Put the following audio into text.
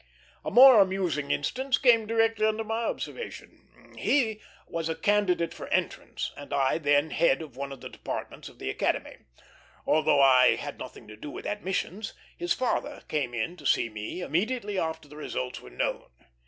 A more amusing instance came directly under my observation. He was a candidate for entrance, and I then head of one of the departments of the Academy. Although I had nothing to do with admissions, his father came in to see me immediately after the results were known.